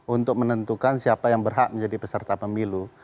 untuk menentukan siapa yang berhak menjadi peserta pemilu